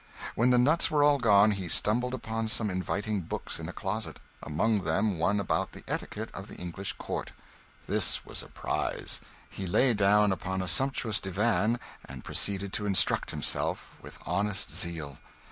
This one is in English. When the nuts were all gone, he stumbled upon some inviting books in a closet, among them one about the etiquette of the English court. This was a prize. He lay down upon a sumptuous divan, and proceeded to instruct himself with honest zeal.